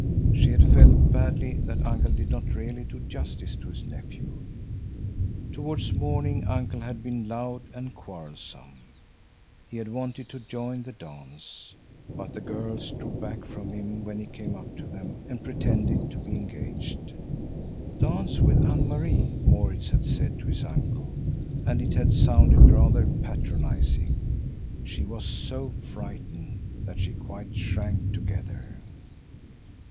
She had felt badly that Uncle did not really do justice to his nephew. Towards morning Uncle had been loud and quarrelsome. He had wanted to join the dance, but the girls drew back from him when he came up to them and pretended to be engaged. "Dance with Anne Marie," Maurits had said to his uncle, and it had sounded rather patronising. She was so frightened that she quite shrank together.